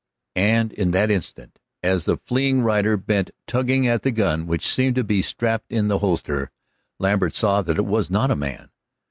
And in that instant, as the fleeing rider bent tugging at the gun which seemed to be strapped in the holster, Lambert saw that it was not a man.